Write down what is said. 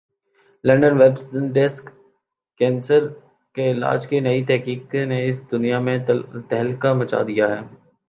London web desk cancer کے علاج کی نئی تحقیق نے اس دنیا میں تہلکہ مچا دیا ہے